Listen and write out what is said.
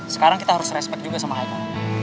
sekarang kita harus respect juga sama hyble